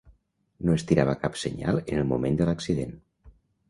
No estirava cap senyal en el moment de l'accident.